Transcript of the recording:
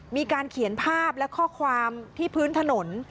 มีการเขียนภาพและข้อความที่พื้นถนน